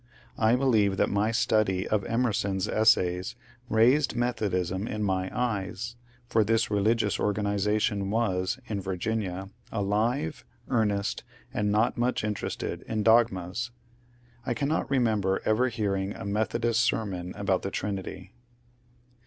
I believe that my study of Emerson's Essays raised Methodism in my eyes, for this religious organization was, in Virginia, alive, earnest, and not much interested in dogmas. I cannot remember ever hearing a Methodist sermon about the Trinity.